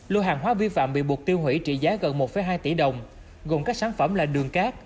lô hàng hóa vi phạm bị buộc tiêu hủy trị giá gần một hai tỷ đồng gồm các sản phẩm là đường cát